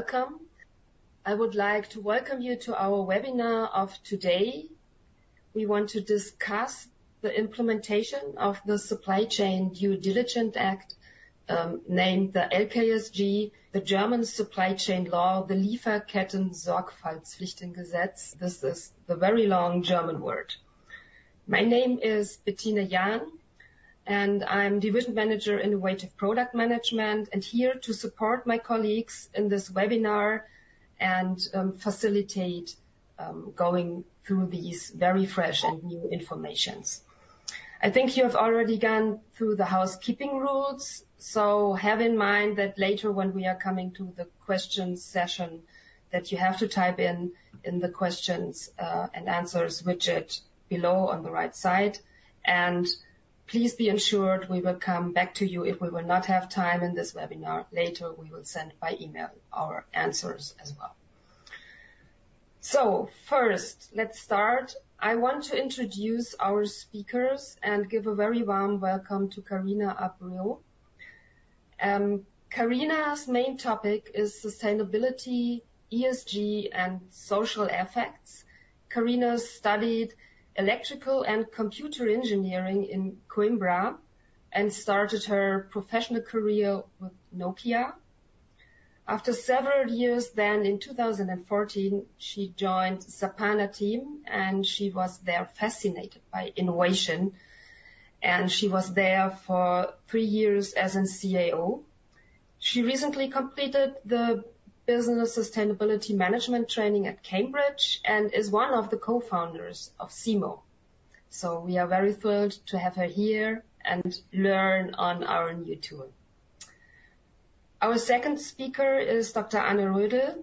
Welcome. I would like to welcome you to our webinar of today. We want to discuss the implementation of the Supply Chain Due Diligence Act, named the LKSG, the German Supply Chain Law, the Lieferkettensorgfaltspflichtengesetz. This is the very long German word. My name is Bettina Jahn, and I'm Division Manager Innovative Product Management, and here to support my colleagues in this webinar and facilitate going through these very fresh and new informations. I think you have already gone through the housekeeping rules, so have in mind that later when we are coming to the question session, that you have to type in in the questions and answers widget below on the right side. Please be ensured we will come back to you if we will not have time in this webinar. Later, we will send by email our answers as well. First, let's start. I want to introduce our speakers and give a very warm welcome to Carina Abreu. Carina's main topic is sustainability, ESG, and social effects. Carina studied electrical and computer engineering in Coimbra and started her professional career with Nokia. After several years, then in 2014, she joined Sapana team, and she was there fascinated by innovation. She was there for three years as a COO. She recently completed the Business Sustainability Management training at Cambridge and is one of the co-founders of C-MORE. We are very thrilled to have her here and learn on our new tour. Our second speaker is Dr. Anne Rödl.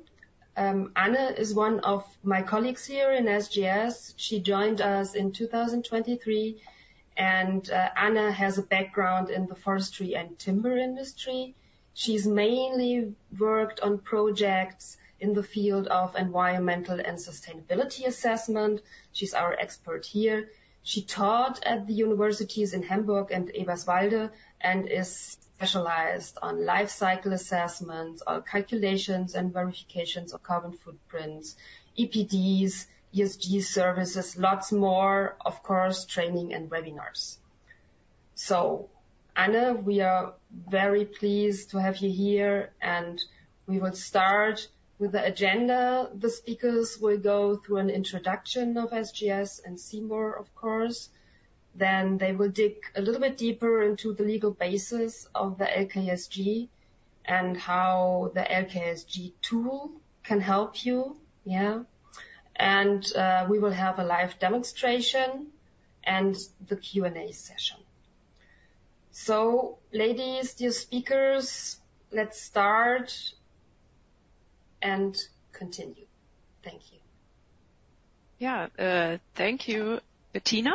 Anne is one of my colleagues here in SGS. She joined us in 2023, and Anne has a background in the forestry and timber industry. She's mainly worked on projects in the field of environmental and sustainability assessment. She's our expert here. She taught at the universities in Hamburg and Eberswalde and is specialized on life cycle assessments, calculations, and verifications of carbon footprints, EPDs, ESG services, lots more, of course, training and webinars. So Anne, we are very pleased to have you here, and we will start with the agenda. The speakers will go through an introduction of SGS and C-MORE, of course. Then they will dig a little bit deeper into the legal basis of the LKSG and how the LKSG tool can help you. Yeah. And we will have a live demonstration and the Q&A session. So ladies, dear speakers, let's start and continue. Thank you. Yeah, thank you, Bettina,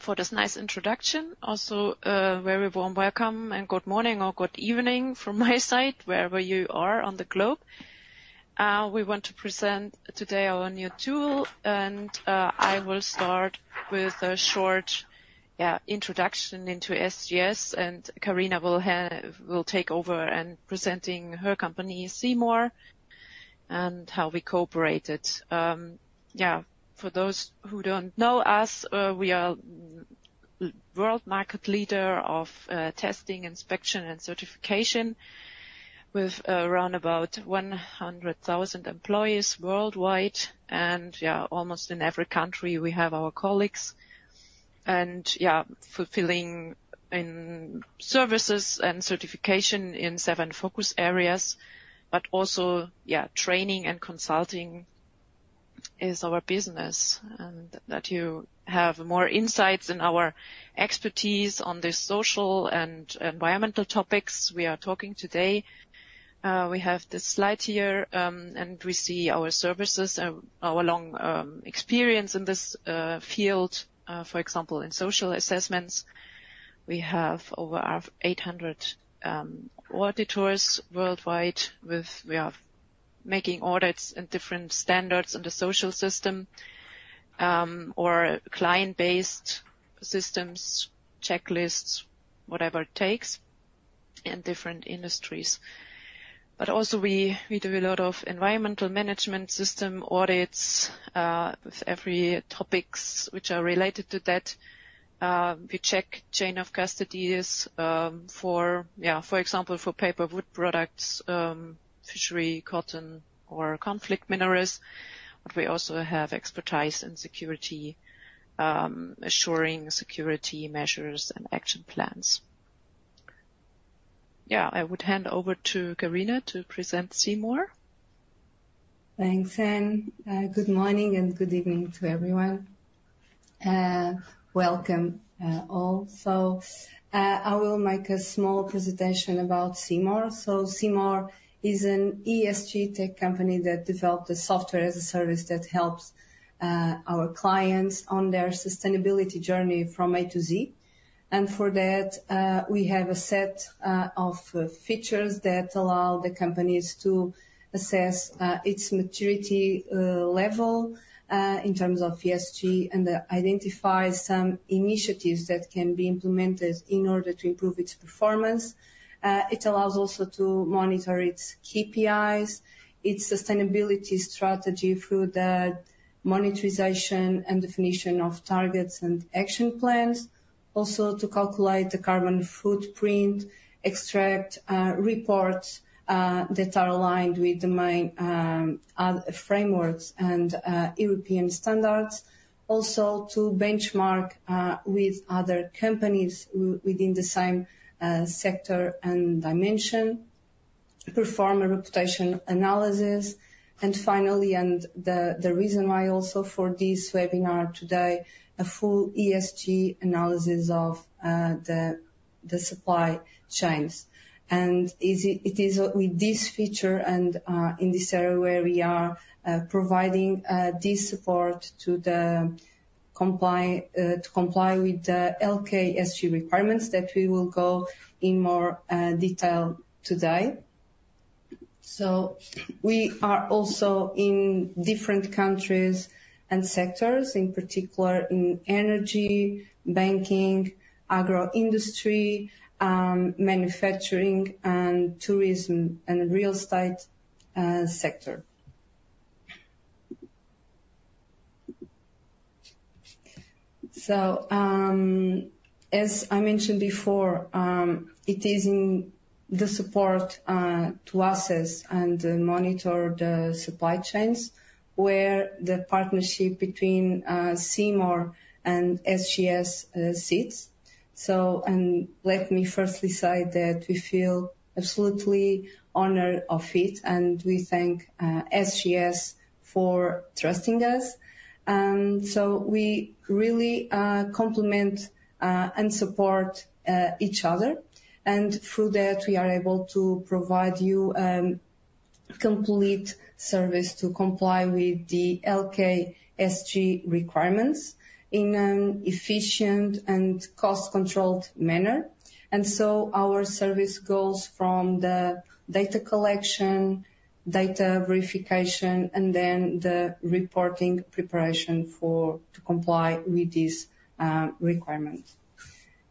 for this nice introduction. Also, a very warm welcome and good morning or good evening from my side, wherever you are on the globe. We want to present today our new tool, and I will start with a short, yeah, introduction into SGS, and Carina will take over and present her company, C-MORE, and how we cooperated. Yeah, for those who don't know us, we are a world market leader of testing, inspection, and certification with around about 100,000 employees worldwide. Yeah, almost in every country, we have our colleagues and yeah, fulfilling services and certification in seven focus areas, but also, yeah, training and consulting is our business. That you have more insights in our expertise on the social and environmental topics we are talking today. We have this slide here, and we see our services and our long experience in this field, for example, in social assessments. We have over 800 auditors worldwide, with we are making audits and different standards in the social system or client-based systems, checklists, whatever it takes in different industries. But also, we do a lot of environmental management system audits with every topic which are related to that. We check chain of custodies for, for example, for paper wood products, fishery, cotton, or conflict minerals. But we also have expertise in security, assuring security measures and action plans. Yeah, I would hand over to Carina to present C-MORE. Thanks, Anne. Good morning and good evening to everyone. Welcome all. I will make a small presentation about C-MORE. C-MORE is an ESG tech company that developed a software as a service that helps our clients on their sustainability journey from A to Z. And for that, we have a set of features that allow the companies to assess its maturity level in terms of ESG and identify some initiatives that can be implemented in order to improve its performance. It allows also to monitor its KPIs, its sustainability strategy through the monetization and definition of targets and action plans, also to calculate the carbon footprint, extract reports that are aligned with the main frameworks and European standards, also to benchmark with other companies within the same sector and dimension, perform a reputation analysis. Finally, and the reason why also for this webinar today, a full ESG analysis of the supply chains. It is with this feature and in this area where we are providing this support to comply with the LKSG requirements that we will go in more detail today. We are also in different countries and sectors, in particular in energy, banking, agro-industry, manufacturing, and tourism and real estate sector. As I mentioned before, it is in the support to assess and monitor the supply chains where the partnership between C-MORE and SGS sits. And let me firstly say that we feel absolutely honored of it, and we thank SGS for trusting us. We really complement and support each other. Through that, we are able to provide you a complete service to comply with the LKSG requirements in an efficient and cost-controlled manner. And so our service goes from the data collection, data verification, and then the reporting preparation to comply with these requirements.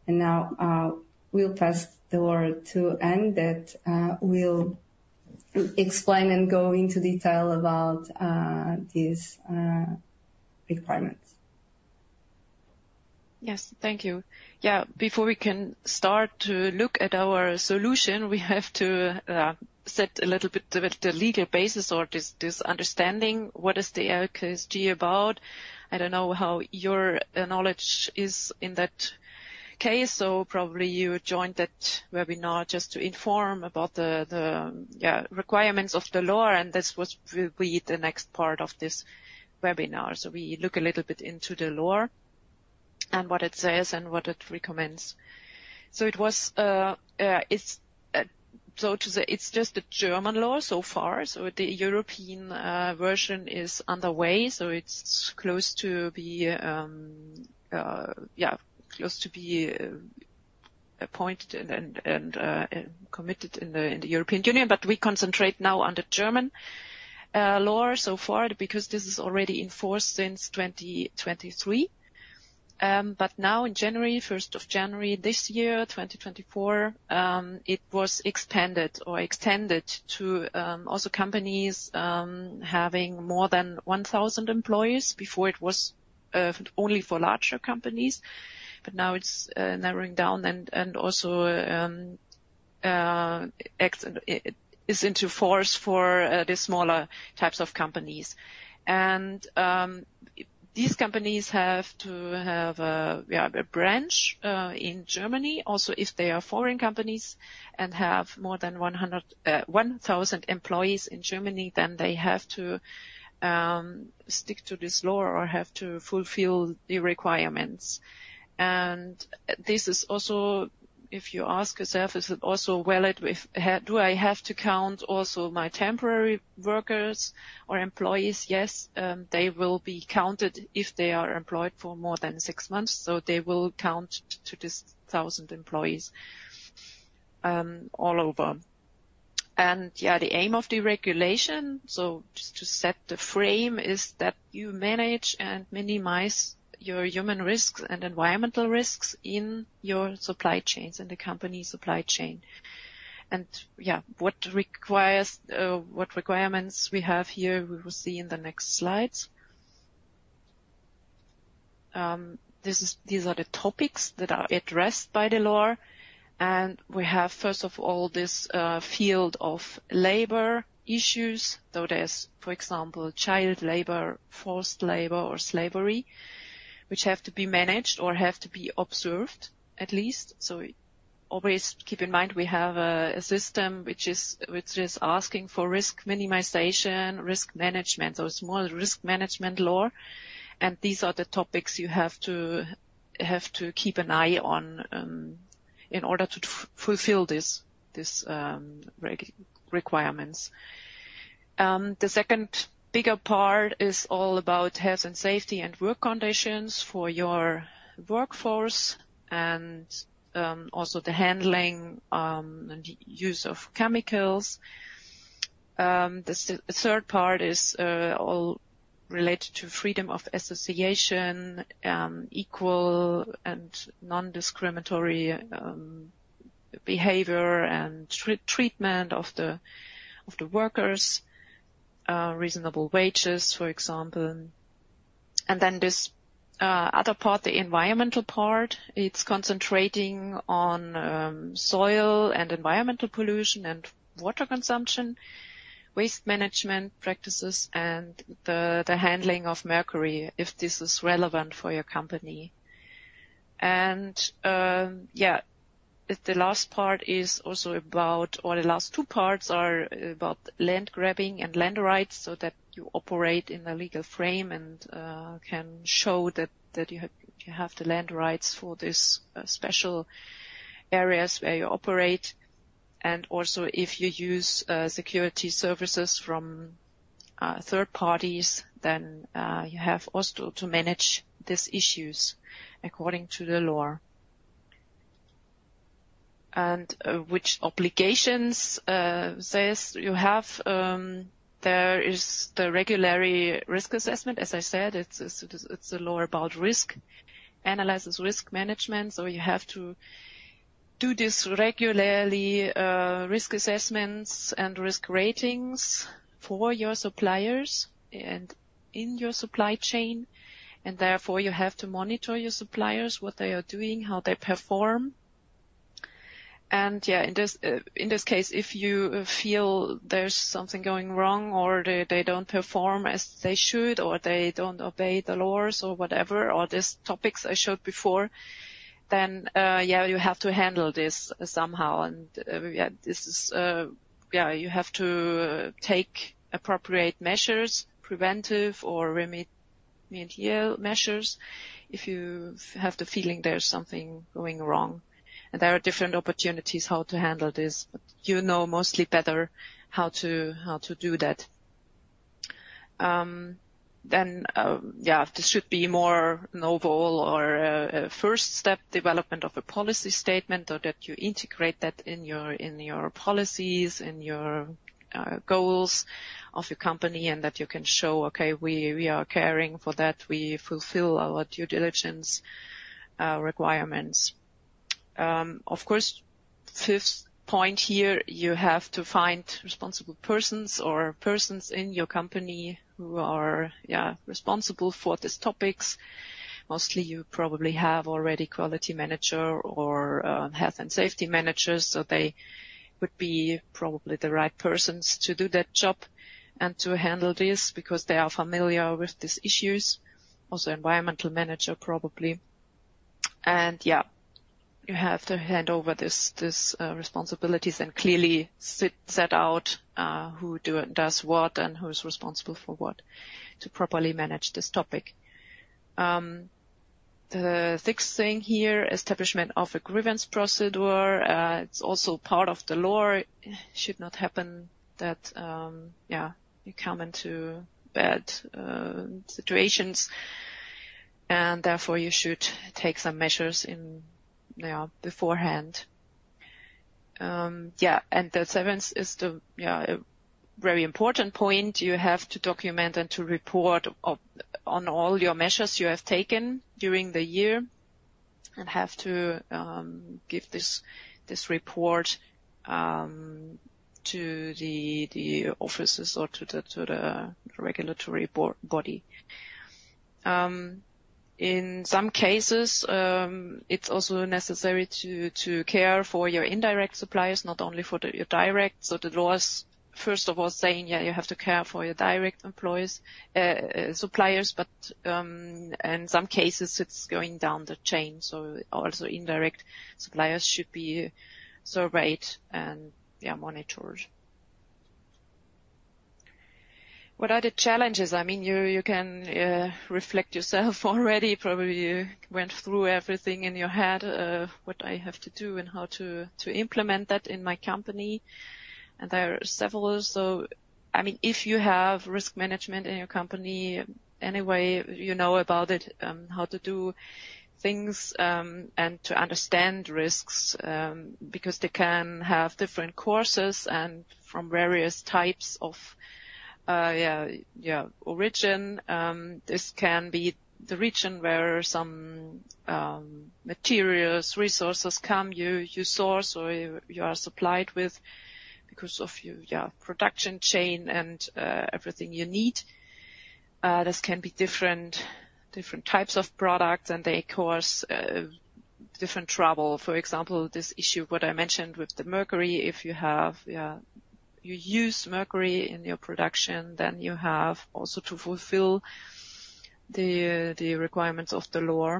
And now we'll pass the word to Anne that will explain and go into detail about these requirements. Yes, thank you. Yeah, before we can start to look at our solution, we have to set a little bit of the legal basis or this understanding. What is the LKSG about? I don't know how your knowledge is in that case. Probably you joined that webinar just to inform about the requirements of the law, and this will be the next part of this webinar. We look a little bit into the law and what it says and what it recommends. It was, so to say, just the German law so far. The European version is underway. It's close to be, yeah, close to be appointed and committed in the European Union. But we concentrate now on the German law so far because this is already enforced since 2023. But now in January, 1st of January this year, 2024, it was expanded or extended to also companies having more than 1,000 employees. Before, it was only for larger companies, but now it's narrowing down and also is into force for the smaller types of companies. These companies have to have a branch in Germany. Also, if they are foreign companies and have more than 1,000 employees in Germany, then they have to stick to this law or have to fulfill the requirements. This is also, if you ask yourself, is it also valid with, do I have to count also my temporary workers or employees? Yes, they will be counted if they are employed for more than six months. They will count to this 1,000 employees all over. Yeah, the aim of the regulation, so just to set the frame, is that you manage and minimize your human risks and environmental risks in your supply chains and the company supply chain. Yeah, what requirements we have here, we will see in the next slides. These are the topics that are addressed by the law. We have, first of all, this field of labor issues, though there's, for example, child labor, forced labor, or slavery, which have to be managed or have to be observed at least. Always keep in mind we have a system which is asking for risk minimization, risk management, or so-called risk management law. These are the topics you have to keep an eye on in order to fulfill these requirements. The second bigger part is all about health and safety and work conditions for your workforce and also the handling and use of chemicals. The third part is all related to freedom of association, equal and non-discriminatory behavior and treatment of the workers, reasonable wages, for example. And then this other part, the environmental part, it's concentrating on soil and environmental pollution and water consumption, waste management practices, and the handling of mercury if this is relevant for your company. And yeah, the last part is also about, or the last two parts are about land grabbing and land rights so that you operate in the legal frame and can show that you have the land rights for these special areas where you operate. And also, if you use security services from third parties, then you have also to manage these issues according to the law. Which obligations it says you have, there is the regular risk assessment. As I said, it's a law about risk, analyzes risk management. So you have to do this regularly, risk assessments and risk ratings for your suppliers and in your supply chain. And therefore, you have to monitor your suppliers, what they are doing, how they perform. And yeah, in this case, if you feel there's something going wrong or they don't perform as they should or they don't obey the laws or whatever, or these topics I showed before, then yeah, you have to handle this somehow. And yeah, this is, yeah, you have to take appropriate measures, preventive or remedial measures if you have the feeling there's something going wrong. And there are different opportunities how to handle this, but you know mostly better how to do that. Then, this should be more novel or a first step development of a policy statement or that you integrate that in your policies, in your goals of your company, and that you can show, okay, we are caring for that, we fulfill our due diligence requirements. Of course, fifth point here, you have to find responsible persons or persons in your company who are responsible for these topics. Mostly, you probably have already quality manager or health and safety managers, so they would be probably the right persons to do that job and to handle this because they are familiar with these issues. Also, environmental manager probably. And you have to hand over these responsibilities and clearly set out who does what and who is responsible for what to properly manage this topic. The sixth thing here, establishment of a grievance procedure, it's also part of the law. It should not happen that you come into bad situations. Therefore, you should take some measures beforehand. The seventh is the very important point. You have to document and to report on all your measures you have taken during the year and have to give this report to the offices or to the regulatory body. In some cases, it's also necessary to care for your indirect suppliers, not only for your direct. So the laws, first of all, saying you have to care for your direct employees, suppliers, but in some cases, it's going down the chain. So also indirect suppliers should be surveyed and monitored. What are the challenges? I mean, you can reflect yourself already. Probably you went through everything in your head, what I have to do and how to implement that in my company. There are several. So I mean, if you have risk management in your company anyway, you know about it, how to do things and to understand risks because they can have different sources and from various types of, yeah, origin. This can be the region where some materials, resources come you source or you are supplied with because of your production chain and everything you need. This can be different types of products, and they cause different trouble. For example, this issue what I mentioned with the mercury, if you use mercury in your production, then you have also to fulfill the requirements of the law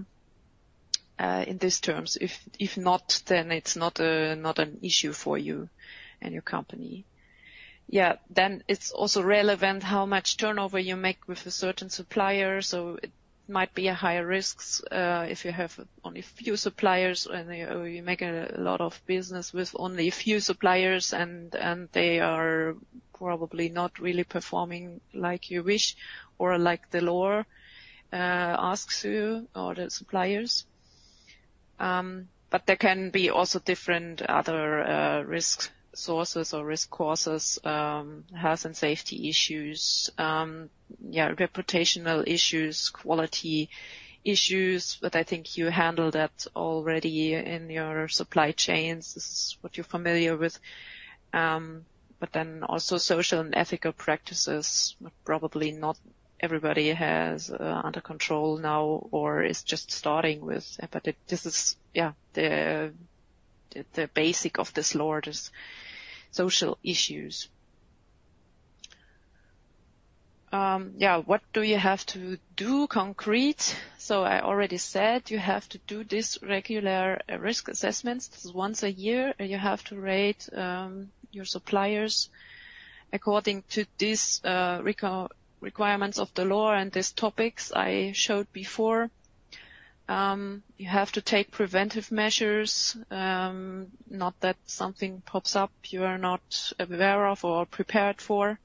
in these terms. If not, then it's not an issue for you and your company. Yeah. Then it's also relevant how much turnover you make with a certain supplier. So it might be a higher risk if you have only a few suppliers or you make a lot of business with only a few suppliers, and they are probably not really performing like you wish or like the law asks you or the suppliers. But there can be also different other risk sources or risk causes, health and safety issues, yeah, reputational issues, quality issues, but I think you handle that already in your supply chains. This is what you're familiar with. But then also social and ethical practices, probably not everybody has under control now or is just starting with. But this is, yeah, the basic of this law, these social issues. Yeah. What do you have to do concrete? So I already said you have to do these regular risk assessments. This is once a year, and you have to rate your suppliers according to these requirements of the law and these topics I showed before. You have to take preventive measures, not that something pops up you are not aware of or prepared for.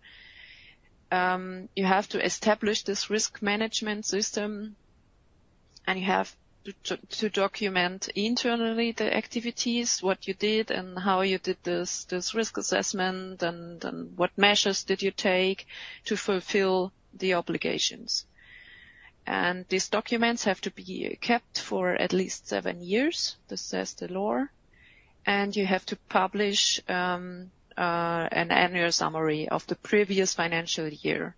You have to establish this risk management system, and you have to document internally the activities, what you did and how you did this risk assessment, and what measures did you take to fulfill the obligations. These documents have to be kept for at least seven years, this says the law. You have to publish an annual summary of the previous financial year.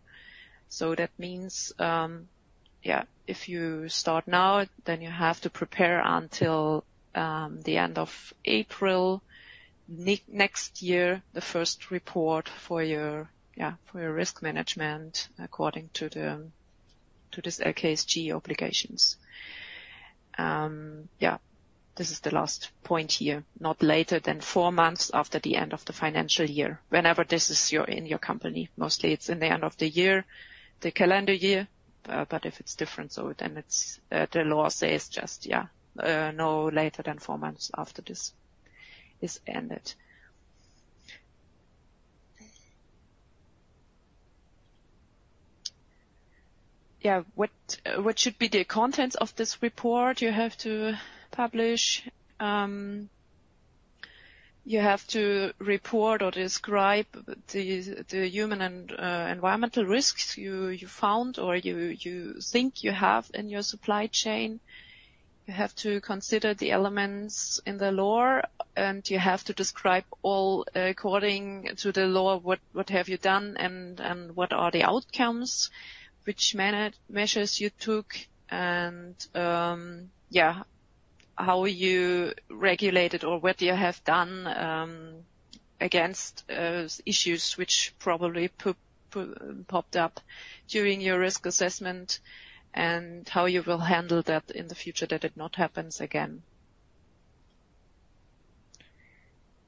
So that means, yeah, if you start now, then you have to prepare until the end of April next year, the first report for your, yeah, for your risk management according to this LKSG obligations. Yeah. This is the last point here, not later than four months after the end of the financial year, whenever this is in your company. Mostly, it's in the end of the year, the calendar year, but if it's different, so then the law says just, yeah, no later than four months after this is ended. Yeah. What should be the contents of this report you have to publish? You have to report or describe the human and environmental risks you found or you think you have in your supply chain. You have to consider the elements in the law, and you have to describe all according to the law, what have you done and what are the outcomes, which measures you took, and yeah, how you regulated or what you have done against issues which probably popped up during your risk assessment and how you will handle that in the future that it not happens again.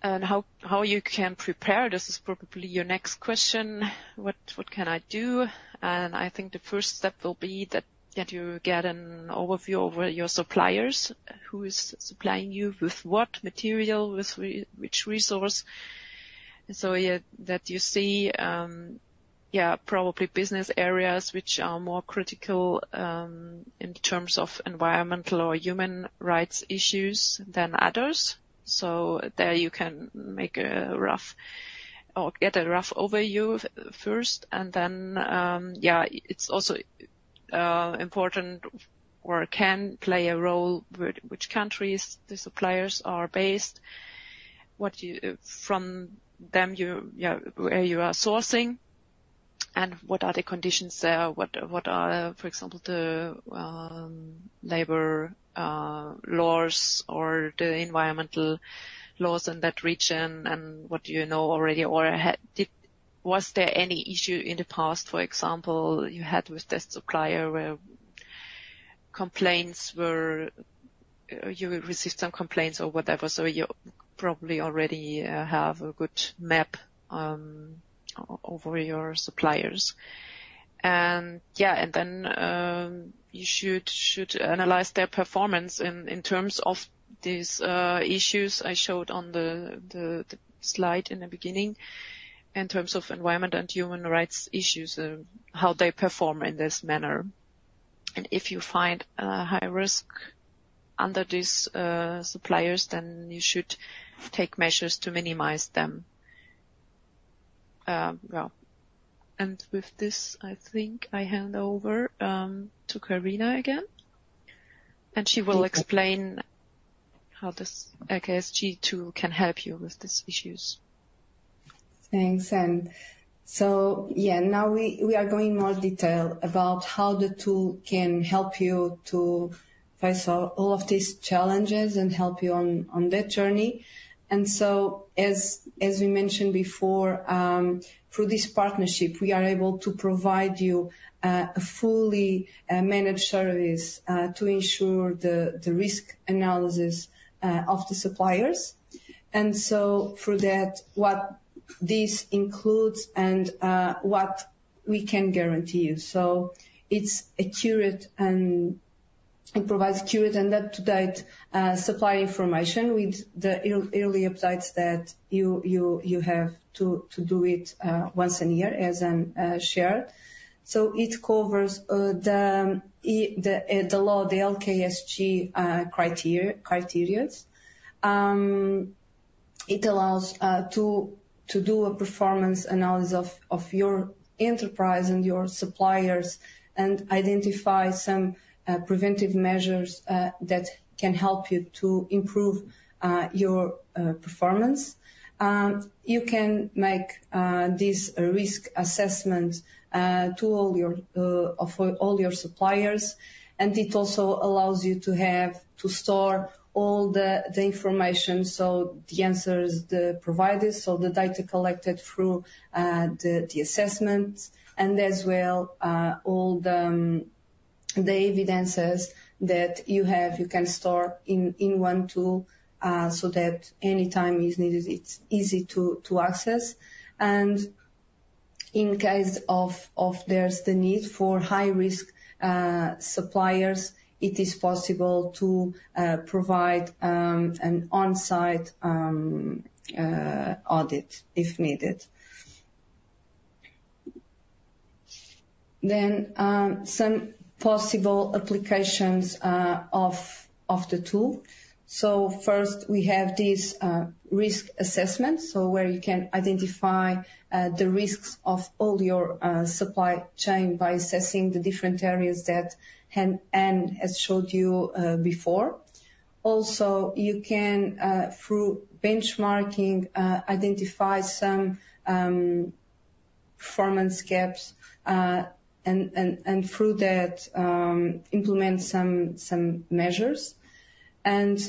And how you can prepare, this is probably your next question, what can I do? And I think the first step will be that you get an overview over your suppliers, who is supplying you with what material, with which resource. So that you see, yeah, probably business areas which are more critical in terms of environmental or human rights issues than others. So there you can make a rough or get a rough overview first. Then, yeah, it's also important or can play a role which countries the suppliers are based, from them, yeah, where you are sourcing and what are the conditions there, what are, for example, the labor laws or the environmental laws in that region and what do you know already or was there any issue in the past, for example, you had with this supplier where complaints were you received some complaints or whatever. So you probably already have a good map over your suppliers. Yeah, and then you should analyze their performance in terms of these issues I showed on the slide in the beginning in terms of environment and human rights issues, how they perform in this manner. And if you find a high risk under these suppliers, then you should take measures to minimize them. Yeah. And with this, I think I hand over to Carina again. And she will explain how this LKSG Tool can help you with these issues. Thanks. And so, yeah, now we are going more detail about how the tool can help you to face all of these challenges and help you on that journey. And so, as we mentioned before, through this partnership, we are able to provide you a fully managed service to ensure the risk analysis of the suppliers. And so for that, what this includes and what we can guarantee you. So it's accurate and it provides accurate and up-to-date supply information with the early updates that you have to do it once a year as shared. So it covers the law, the LKSG criteria. It allows to do a performance analysis of your enterprise and your suppliers and identify some preventive measures that can help you to improve your performance. You can make this risk assessment to all your suppliers, and it also allows you to have to store all the information, so the answers the providers, so the data collected through the assessments, and as well, all the evidences that you have, you can store in one tool so that anytime it's needed, it's easy to access. In case of there's the need for high-risk suppliers, it is possible to provide an on-site audit if needed. Then, some possible applications of the tool. First, we have this risk assessment, so where you can identify the risks of all your supply chain by assessing the different areas that Anne has showed you before. Also, you can, through benchmarking, identify some performance gaps and through that implement some measures. And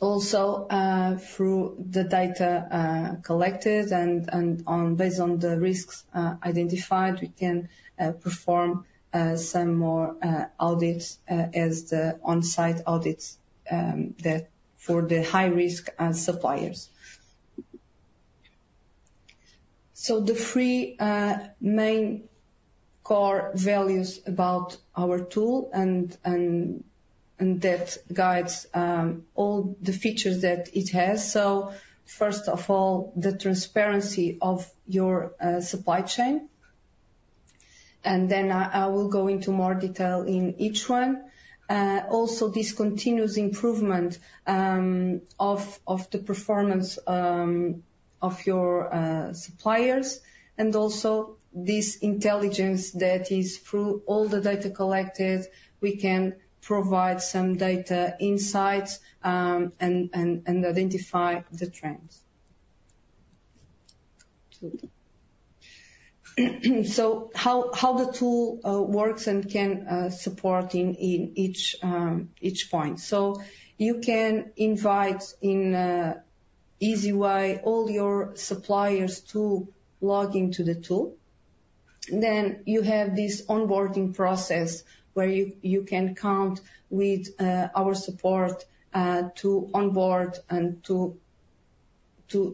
also, through the data collected and based on the risks identified, we can perform some more audits as the on-site audits for the high-risk suppliers. So the three main core values about our tool, and that guides all the features that it has. So first of all, the transparency of your supply chain. And then I will go into more detail in each one. Also, this continuous improvement of the performance of your suppliers. And also this intelligence that is through all the data collected, we can provide some data insights and identify the trends. So how the tool works and can support in each point. So you can invite in an easy way all your suppliers to log into the tool. Then you have this onboarding process where you can count with our support to onboard and to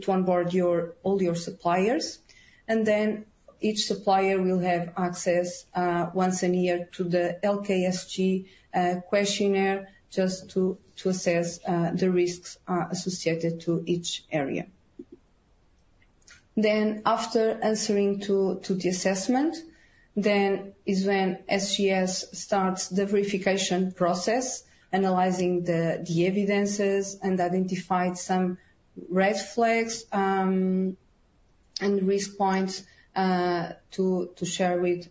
onboard all your suppliers. And then each supplier will have access once a year to the LKSG questionnaire just to assess the risks associated to each area. Then after answering to the assessment, then is when SGS starts the verification process, analyzing the evidences and identifying some red flags and risk points to share with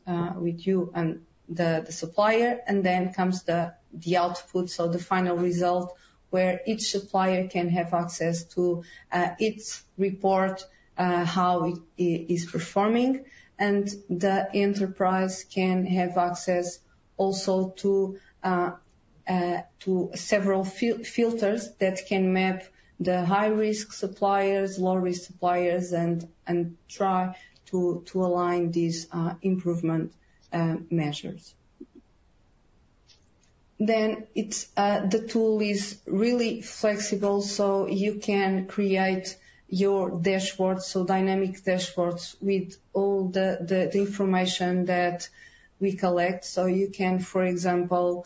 you and the supplier. And then comes the output, so the final result where each supplier can have access to its report, how it is performing. And the enterprise can have access also to several filters that can map the high-risk suppliers, low-risk suppliers, and try to align these improvement measures. Then the tool is really flexible, so you can create your dashboards, so dynamic dashboards with all the information that we collect. So you can, for example,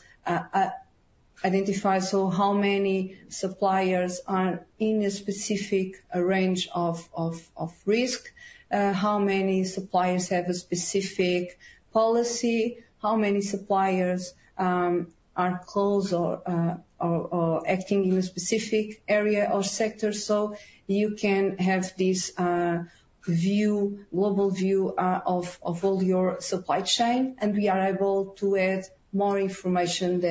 identify how many suppliers are in a specific range of risk, how many suppliers have a specific policy, how many suppliers are closed or acting in a specific area or sector. So you can have this global view of all your supply chain, and we are able to add more information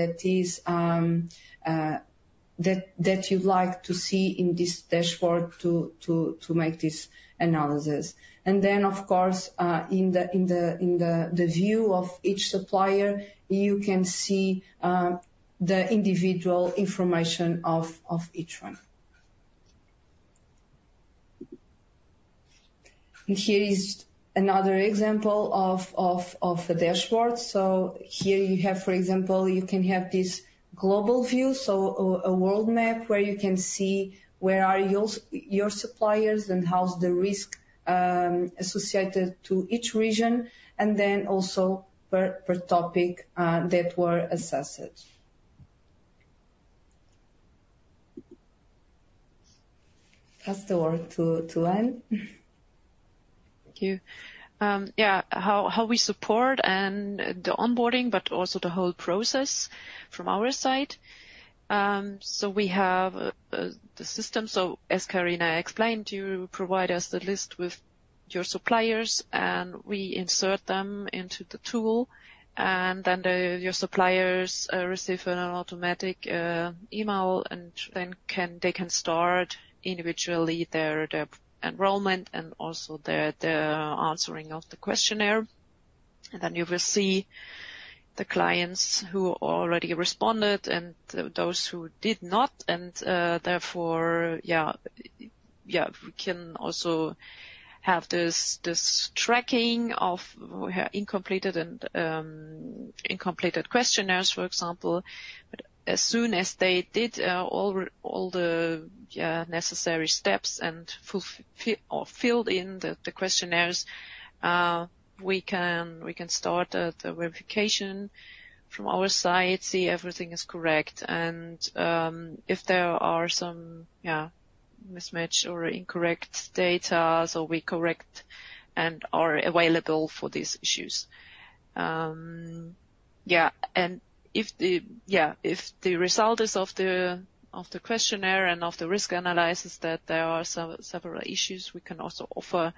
that you'd like to see in this dashboard to make this analysis. And then, of course, in the view of each supplier, you can see the individual information of each one. And here is another example of a dashboard. So here you have, for example, you can have this global view, so a world map where you can see where are your suppliers and how's the risk associated to each region, and then also per topic that were assessed. Pass the word to Anne. Thank you. Yeah, how we support and the onboarding, but also the whole process from our side. So we have the system. So as Carina explained, you provide us the list with your suppliers, and we insert them into the tool. And then your suppliers receive an automatic email, and then they can start individually their enrollment and also the answering of the questionnaire. And then you will see the clients who already responded and those who did not. And therefore, yeah, we can also have this tracking of incomplete questionnaires, for example. As soon as they did all the necessary steps and filled in the questionnaires, we can start the verification from our side, see everything is correct. And if there are some mismatch or incorrect data, so we correct and are available for these issues. Yeah. If the result is of the questionnaire and of the risk analysis that there are several issues, we can also offer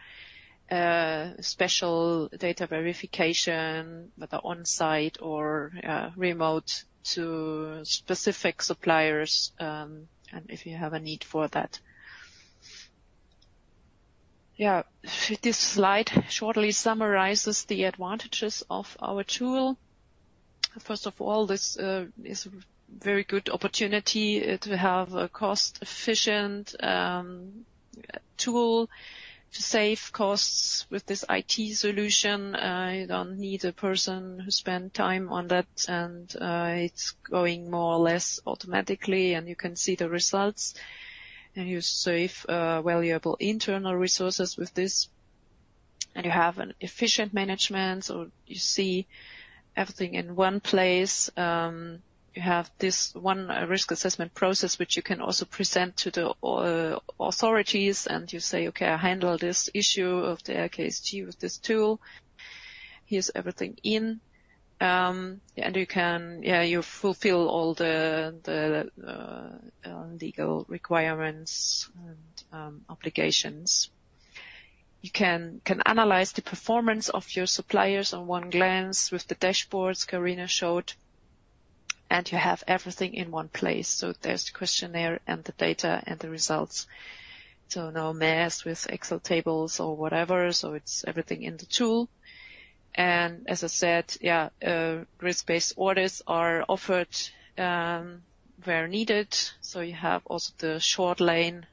special data verification, whether on-site or remote, to specific suppliers and if you have a need for that. Yeah. This slide shortly summarizes the advantages of our tool. First of all, this is a very good opportunity to have a cost-efficient tool to save costs with this IT solution. You don't need a person who spends time on that, and it's going more or less automatically, and you can see the results. You save valuable internal resources with this. You have an efficient management, so you see everything in one place. You have this one risk assessment process, which you can also present to the authorities, and you say, "Okay, I handle this issue of the LKSG with this tool. Here's everything in. You fulfill all the legal requirements and obligations. You can analyze the performance of your suppliers on one glance with the dashboards Carina showed. You have everything in one place. There's the questionnaire and the data and the results. No mess with Excel tables or whatever. It's everything in the tool. As I said, yeah, risk-based orders are offered where needed. You have also the short lane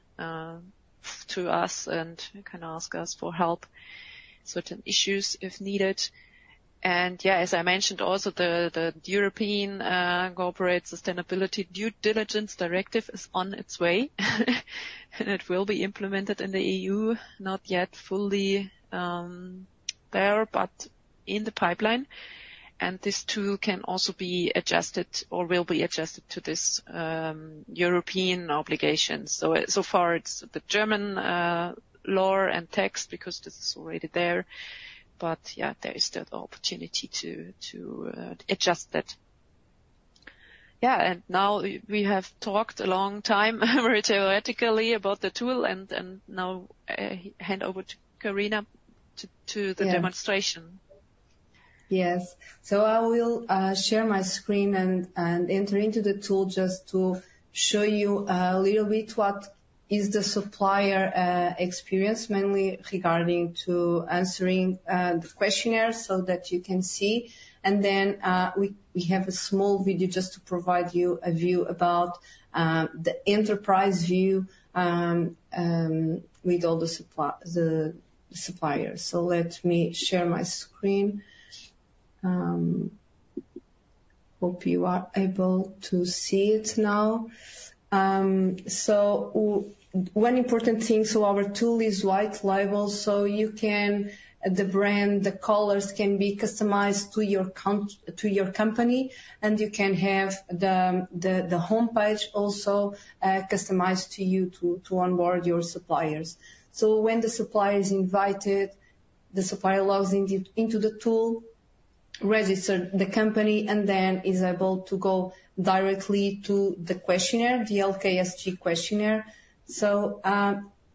to us, and you can ask us for help with certain issues if needed. Yeah, as I mentioned, also the European Corporate Sustainability Due Diligence Directive is on its way. It will be implemented in the EU, not yet fully there, but in the pipeline. This tool can also be adjusted or will be adjusted to this European obligation. So far, it's the German law and text because this is already there. But yeah, there is still the opportunity to adjust that. Yeah. And now we have talked a long time very theoretically about the tool, and now hand over to Carina to the demonstration. Yes. So I will share my screen and enter into the tool just to show you a little bit what is the supplier experience, mainly regarding to answering the questionnaires so that you can see. And then we have a small video just to provide you a view about the enterprise view with all the suppliers. So let me share my screen. Hope you are able to see it now. So one important thing, so our tool is white labels. So the brand, the colors can be customized to your company, and you can have the homepage also customized to you to onboard your suppliers. So when the supplier is invited, the supplier logs into the tool, registers the company, and then is able to go directly to the questionnaire, the LKSG questionnaire. So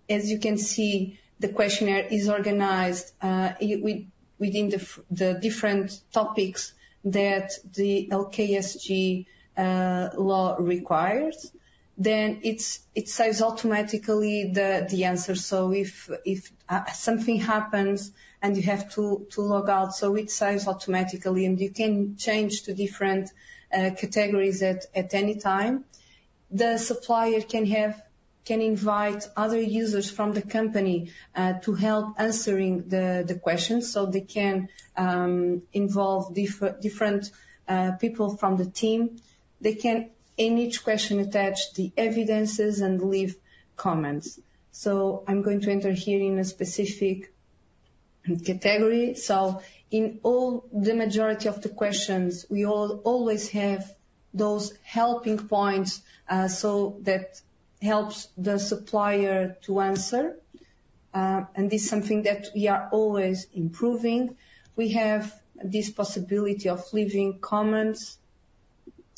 as you can see, the questionnaire is organized within the different topics that the LKSG law requires. Then it saves automatically the answer. So if something happens and you have to log out, so it saves automatically, and you can change to different categories at any time. The supplier can invite other users from the company to help answering the questions. So they can involve different people from the team. They can, in each question, attach the evidence and leave comments. So I'm going to enter here in a specific category. So, in all the majority of the questions, we always have those helping points so that helps the supplier to answer. This is something that we are always improving. We have this possibility of leaving comments.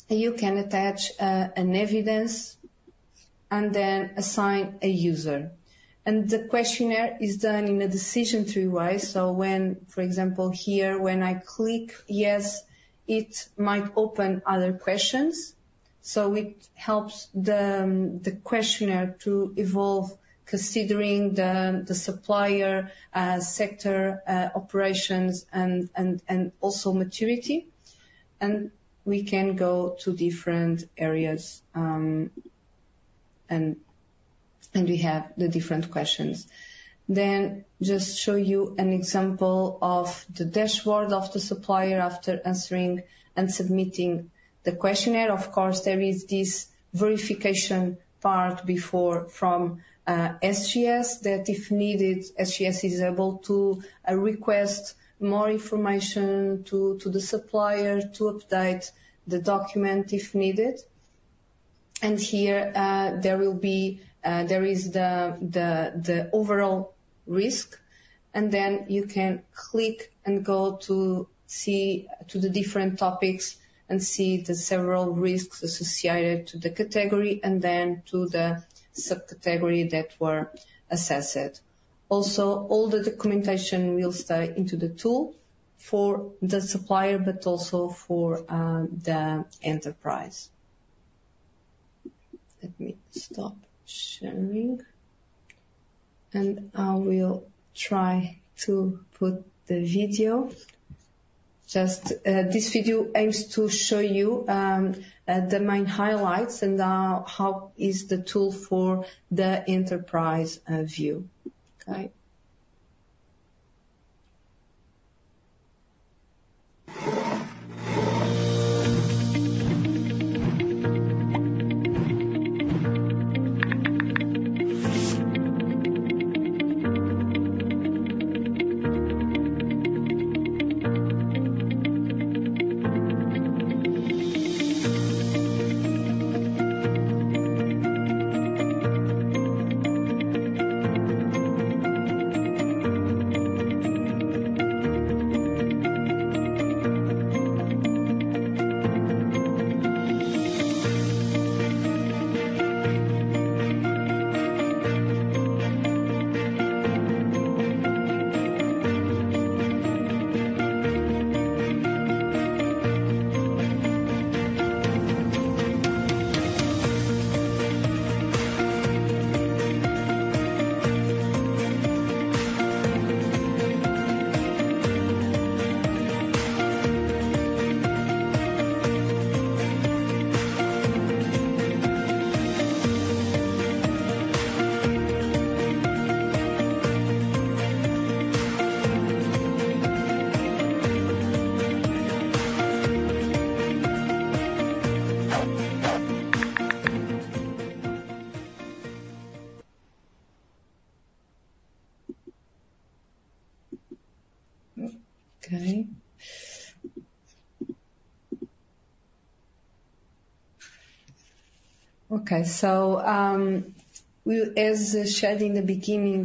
You can attach an evidence and then assign a user. The questionnaire is done in a decision tree way. So when, for example, here, when I click yes, it might open other questions. So it helps the questionnaire to evolve considering the supplier sector operations and also maturity. We can go to different areas, and we have the different questions. Then just show you an example of the dashboard of the supplier after answering and submitting the questionnaire. Of course, there is this verification part before from SGS that if needed, SGS is able to request more information to the supplier to update the document if needed. Here there will be there is the overall risk. Then you can click and go to see to the different topics and see the several risks associated to the category and then to the subcategory that were assessed. Also, all the documentation will stay into the tool for the supplier, but also for the enterprise. Let me stop sharing. I will try to put the video. Just this video aims to show you the main highlights and how is the tool for the enterprise view. Okay. Okay. Okay. So as shared in the beginning,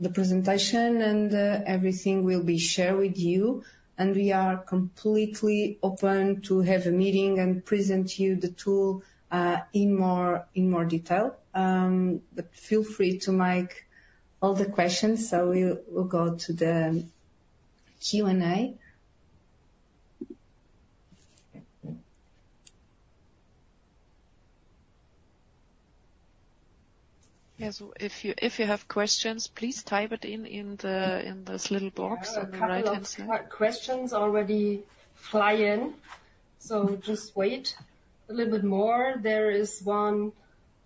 the presentation and everything will be shared with you. We are completely open to have a meeting and present you the tool in more detail. But feel free to make all the questions. So we'll go to the Q&A. Yes. If you have questions, please type it in this little box on the right-hand side. Questions already fly in. So just wait a little bit more. There is one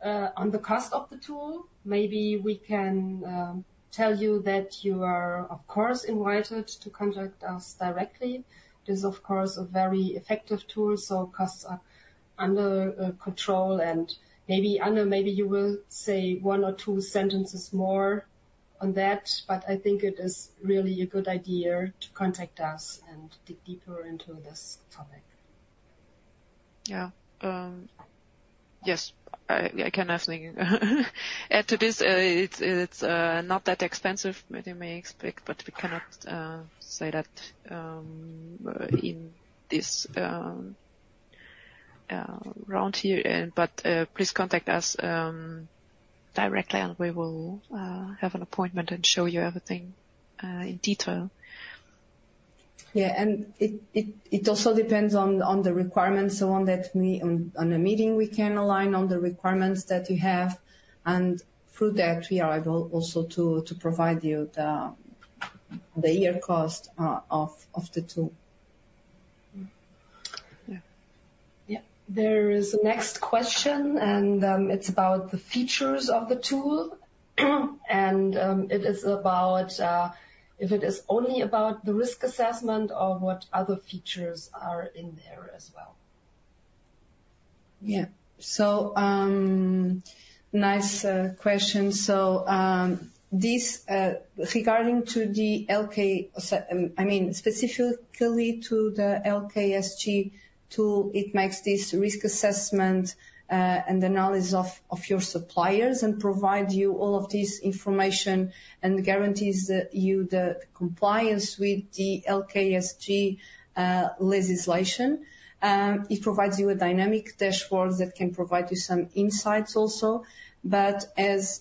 on the cost of the tool. Maybe we can tell you that you are, of course, invited to contact us directly. This is, of course, a very effective tool. So costs are under control. And maybe Anne, maybe you will say one or two sentences more on that. But I think it is really a good idea to contact us and dig deeper into this topic. Yeah. Yes. I can definitely add to this. It's not that expensive that you may expect, but we cannot say that in this round here. But please contact us directly, and we will have an appointment and show you everything in detail. Yeah. And it also depends on the requirements. So, on a meeting, we can align on the requirements that you have. Through that, we are able also to provide you the year cost of the tool. Yeah. Yeah. There is a next question, and it's about the features of the tool. It is about if it is only about the risk assessment or what other features are in there as well. Yeah. So, nice question. So, regarding to the LKSG, I mean, specifically to the LKSG tool, it makes this risk assessment and analysis of your suppliers and provides you all of this information and guarantees you the compliance with the LKSG legislation. It provides you a dynamic dashboard that can provide you some insights also. But as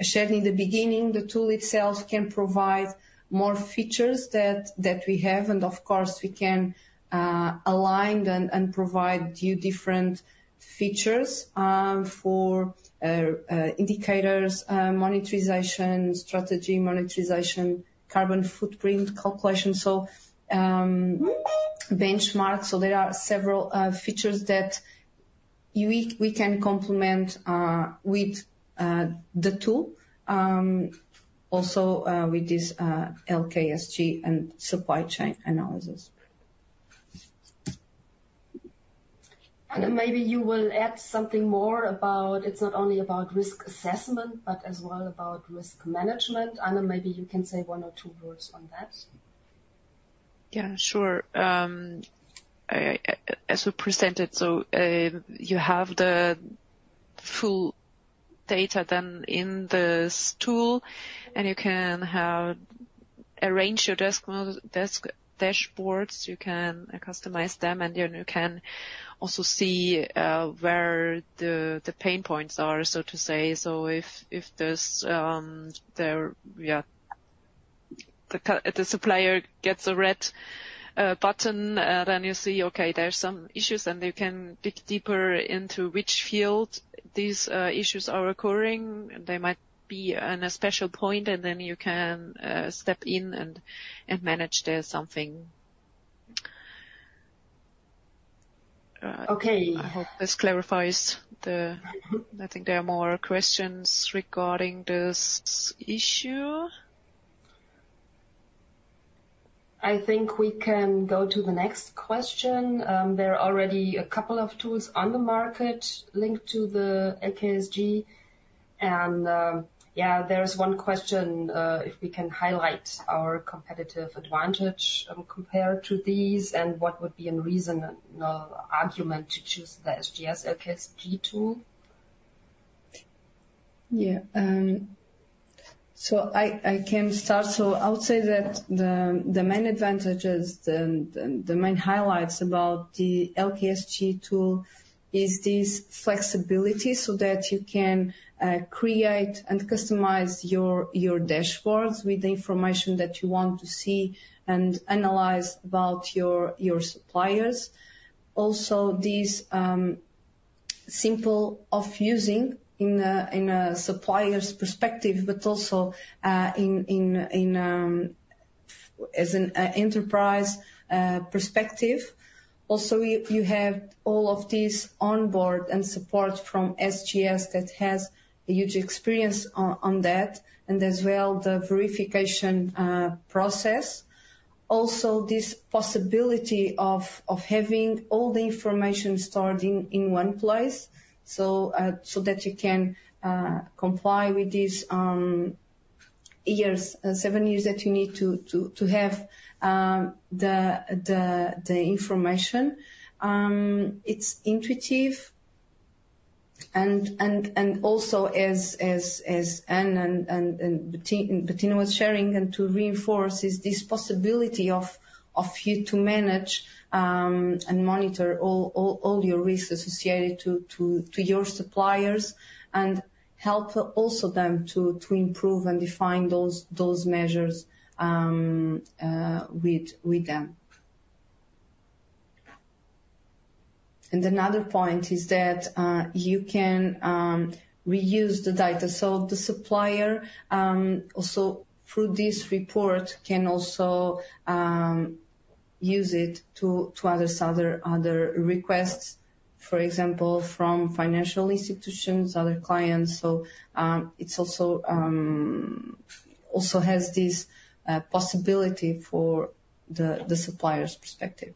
shared in the beginning, the tool itself can provide more features that we have. And of course, we can align and provide you different features for indicators, monetization, strategy, monetization, carbon footprint calculation, so benchmarks. So there are several features that we can complement with the tool, also with this LKSG and supply chain analysis. And maybe you will add something more about it's not only about risk assessment, but as well about risk management. Anne, maybe you can say one or two words on that. Yeah. Sure. As we presented, so you have the full data then in this tool, and you can arrange your dashboards. You can customize them, and then you can also see where the pain points are, so to say. So if the supplier gets a red button, then you see, okay, there's some issues, and you can dig deeper into which field these issues are occurring. There might be a special point, and then you can step in and manage there something. Okay. I hope this clarifies. I think there are more questions regarding this issue. I think we can go to the next question. There are already a couple of tools on the market linked to the LKSG. And yeah, there is one question if we can highlight our competitive advantage compared to these and what would be a reasonable argument to choose the SGS LKSG Tool. Yeah. So I can start. So I would say that the main advantages and the main highlights about the LKSG Tool is this flexibility so that you can create and customize your dashboards with the information that you want to see and analyze about your suppliers. Also, this simplicity of using in a supplier's perspective, but also as an enterprise perspective. Also, you have all of this onboard and support from SGS that has a huge experience on that, and as well the verification process. Also, this possibility of having all the information stored in one place so that you can comply with these 7 years that you need to have the information. It's intuitive. And also, as Anne and Bettina was sharing and to reinforce is this possibility of you to manage and monitor all your risks associated to your suppliers and help also them to improve and define those measures with them. And another point is that you can reuse the data. So the supplier also, through this report, can also use it to address other requests, for example, from financial institutions, other clients. So it also has this possibility for the supplier's perspective.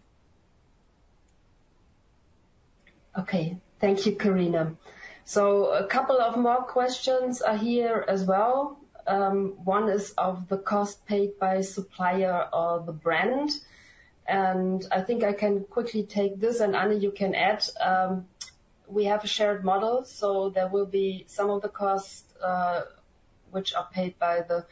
Okay. Thank you, Carina. So a couple of more questions are here as well. One is of the cost paid by supplier or the brand. And I think I can quickly take this. And Anne, you can add. We have a shared model. So there will be some of the costs which are paid by the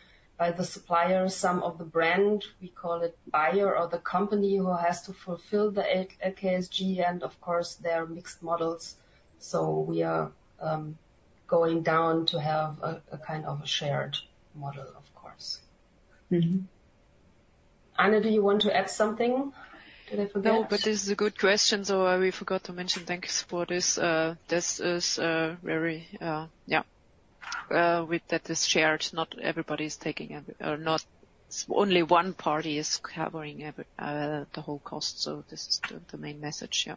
suppliers, some of the brand. We call it buyer or the company who has to fulfill the LKSG. And of course, there are mixed models. So we are going down to have a kind of a shared model, of course. Anne, do you want to add something to that? No, but this is a good question. So we forgot to mention. Thanks for this. This is very, yeah, that is shared. Not everybody is taking it. Only one party is covering the whole cost. So this is the main message. Yeah.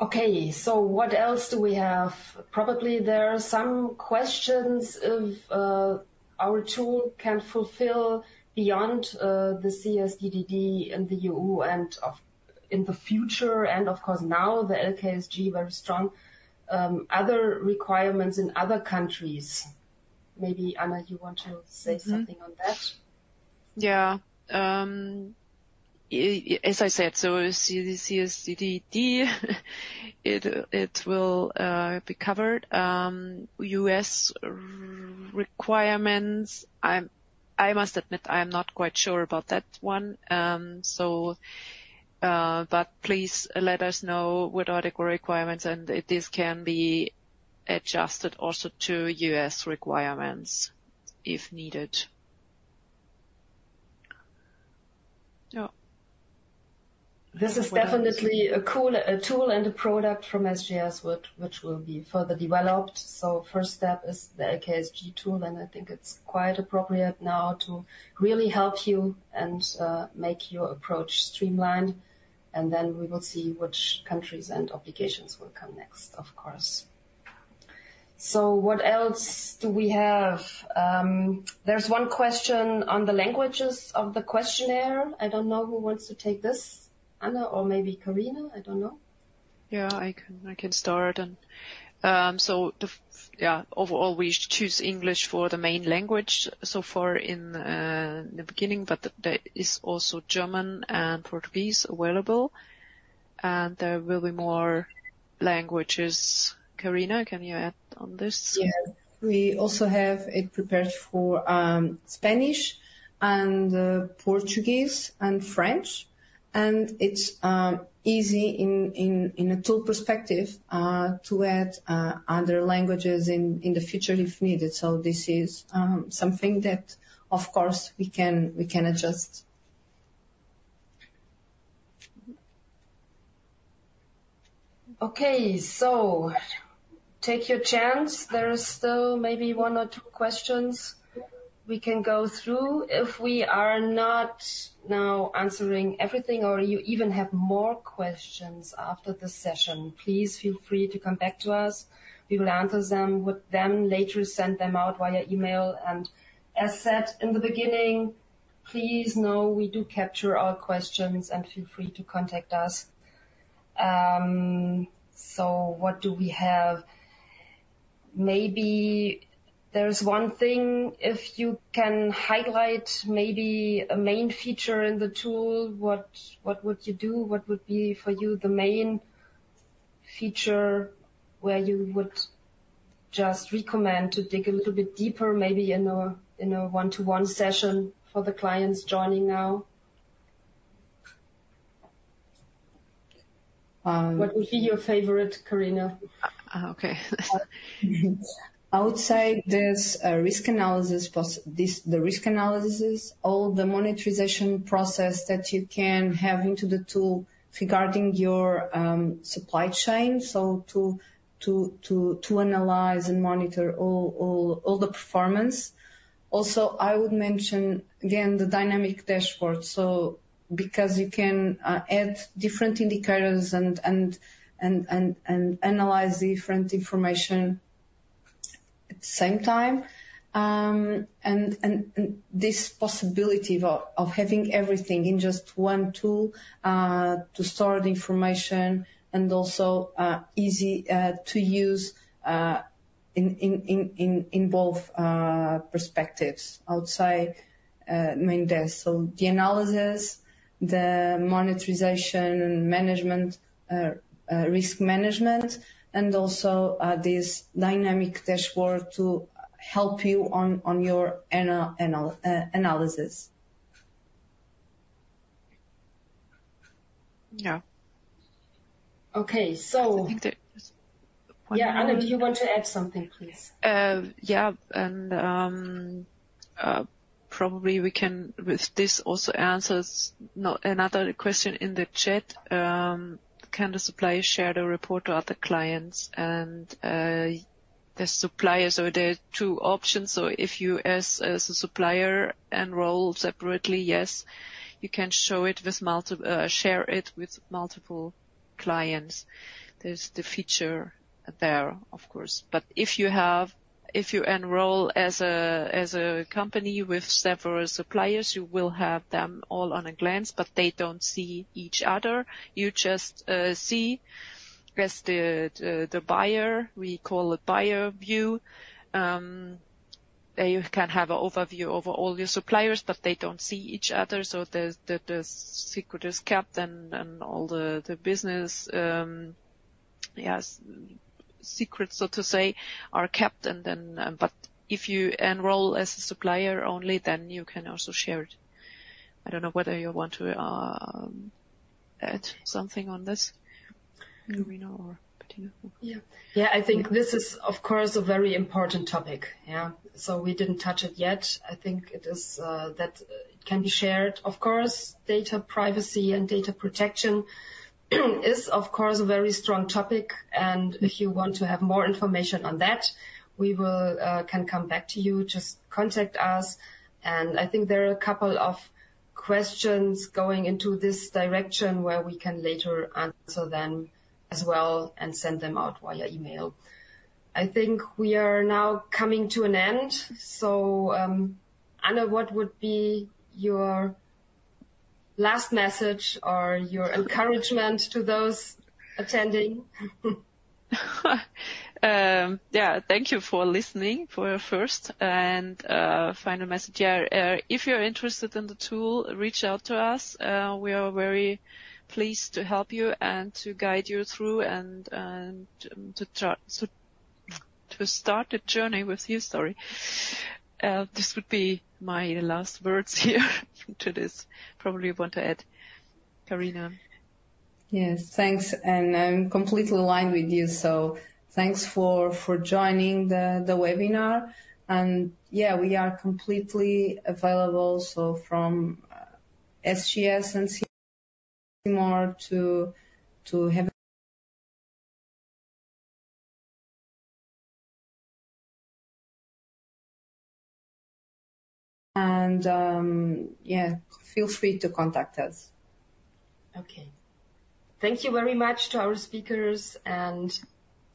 Okay. So what else do we have? Probably there are some questions of our tool can fulfill beyond the CSDDD and the EU and in the future. And of course, now the LKSG, very strong other requirements in other countries. Maybe Anne, you want to say something on that? Yeah. As I said, so CSDDD, it will be covered. U.S. requirements, I must admit, I'm not quite sure about that one. But please let us know what are the requirements. And this can be adjusted also to U.S. requirements if needed. Yeah. This is definitely a tool and a product from SGS, which will be further developed. So first step is the LKSG tool. And I think it's quite appropriate now to really help you and make your approach streamlined. And then we will see which countries and obligations will come next, of course. So what else do we have? There's one question on the languages of the questionnaire. I don't know who wants to take this, Anne, or maybe Carina. I don't know. Yeah, I can start. And so yeah, overall, we choose English for the main language so far in the beginning, but there is also German and Portuguese available. And there will be more languages. Carina, can you add on this? Yes. We also have it prepared for Spanish and Portuguese and French. And it's easy in a tool perspective to add other languages in the future if needed. So this is something that, of course, we can adjust. Okay. So take your chance. There are still maybe one or two questions we can go through. If we are not now answering everything or you even have more questions after the session, please feel free to come back to us. We will answer them. We then later send them out via email. As said in the beginning, please know we do capture our questions and feel free to contact us. What do we have? Maybe there's one thing. If you can highlight maybe a main feature in the tool, what would you do? What would be for you the main feature where you would just recommend to dig a little bit deeper maybe in a one-to-one session for the clients joining now? What would be your favorite, Carina? Okay. Outside this risk analysis, the risk analysis, all the monetization process that you can have into the tool regarding your supply chain. So to analyze and monitor all the performance. Also, I would mention, again, the dynamic dashboard. So because you can add different indicators and analyze different information at the same time. And this possibility of having everything in just one tool to store the information and also easy to use in both perspectives outside main desk. So the analysis, the monetization and management, risk management, and also this dynamic dashboard to help you on your analysis. Yeah. Okay. So yeah, Anne, do you want to add something, please? Yeah. And probably we can with this also answer another question in the chat. Can the supplier share the report to other clients? And the supplier, so there are two options. So if you enroll as a supplier and enroll separately, yes, you can show it with multiple share it with multiple clients. There's the feature there, of course. But if you enroll as a company with several suppliers, you will have them all at a glance, but they don't see each other. You just see the buyer. We call it buyer view. You can have an overview of all your suppliers, but they don't see each other. So the secret is kept and all the business secrets, so to say, are kept. Then but if you enroll as a supplier only, then you can also share it. I don't know whether you want to add something on this, Carina or Bettina. Yeah. Yeah. I think this is, of course, a very important topic. Yeah. So we didn't touch it yet. I think it is that it can be shared, of course. Data privacy and data protection is, of course, a very strong topic. If you want to have more information on that, we can come back to you. Just contact us. I think there are a couple of questions going into this direction where we can later answer them as well and send them out via email. I think we are now coming to an end. So Anne, what would be your last message or your encouragement to those attending? Yeah. Thank you for listening for first and final message. Yeah. If you're interested in the tool, reach out to us. We are very pleased to help you and to guide you through and to start the journey with you. Sorry. This would be my last words here to this. Probably want to add, Carina. Yes. Thanks. And I'm completely aligned with you. So thanks for joining the webinar. And yeah, we are completely available. So from SGS and C-MORE to have and yeah, feel free to contact us. Okay. Thank you very much to our speakers and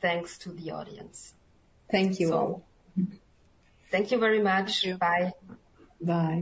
thanks to the audience. Thank you all. Thank you very much. Bye. Bye.